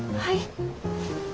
はい。